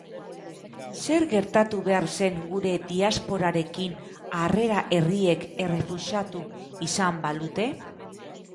Zer gertatu behar zen gure diasporarekin harrera herriek errefusatu izan balute?